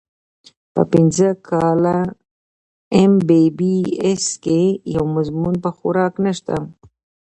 پۀ پنځه کاله اېم بي بي اېس کښې يو مضمون پۀ خوراک نشته